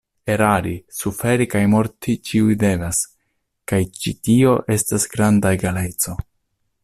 Erari, suferi kaj morti ĉiuj devas kaj ĉi tio estas granda egaleco.